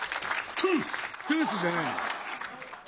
トゥースじゃない。